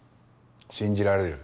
信じられる？